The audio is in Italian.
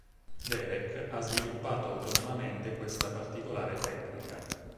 Derek ha sviluppato autonomamente questa particolare tecnica.